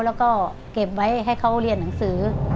แล้วก็เก็บไว้ให้เขาเรียนหนังสือ